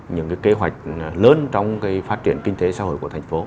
những kế hoạch lớn trong phát triển kinh tế xã hội của thành phố